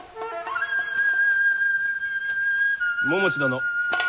百地殿。